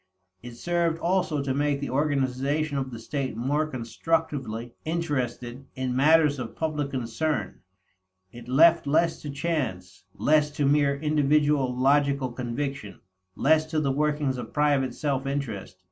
It served also to make the organization of the state more constructively interested in matters of public concern. It left less to chance, less to mere individual logical conviction, less to the workings of private self interest.